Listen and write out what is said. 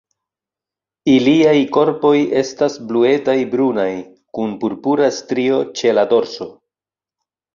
Iliaj korpoj estas bluetaj-brunaj, kun purpura strio ĉe la dorso.